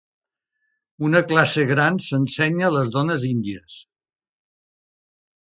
Una classe gran s'ensenya a les dones índies.